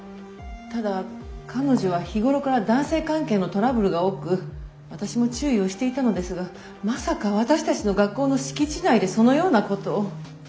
ただ彼女は日頃から男性関係のトラブルが多く私も注意をしていたのですがまさか私たちの学校の敷地内でそのようなことを。